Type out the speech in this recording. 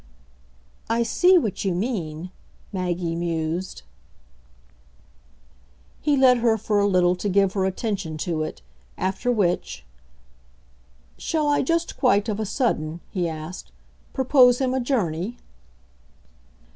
"I see what you mean," Maggie mused. He let her for a little to give her attention to it; after which, "Shall I just quite, of a sudden," he asked, "propose him a journey?"